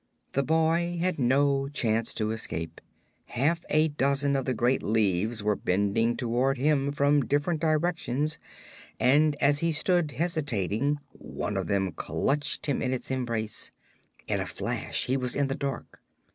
The boy had no chance to escape. Half a dozen of the great leaves were bending toward him from different directions and as he stood hesitating one of them clutched him in its embrace. In a flash he was in the dark.